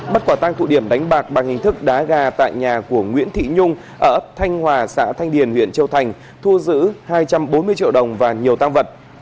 bắt quả tăng tụ điểm đánh bạc bằng hình thức đá gà tại nhà của nguyễn thị nhung ở ấp thanh hòa xã thanh điền huyện châu thành thu giữ hai trăm bốn mươi triệu đồng và nhiều tăng vật